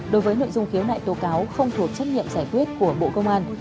đối với nội dung khiếu nại tố cáo không thuộc trách nhiệm giải quyết của bộ công an